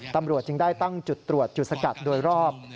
ตำรวจจึงได้ตั้งจุดตรวจจุดสกัดโดยรอบ